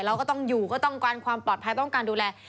เราก็ต้องอยู่ก็ต้องการความปลอดภัยต้องการดูแล